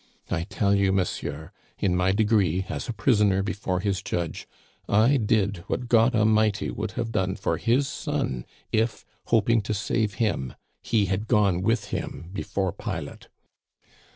"I tell you, monsieur, in my degree, as a prisoner before his judge, I did what God A'mighty would have done for His Son if, hoping to save Him, He had gone with Him before Pilate!"